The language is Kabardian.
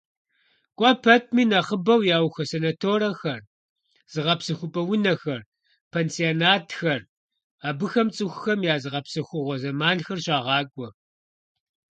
КӀуэ пэтми нэхъыбэу яухуэ санаторэхэр, зыгъэпсэхупӀэ унэхэр, пансионатхэр, абыхэм цӀыхухэм я зыгъэпсэхугъуэ зэманхэр щагъакӀуэ.